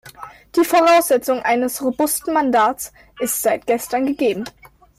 Die Voraussetzung eines robusten Mandats ist seit gestern gegeben.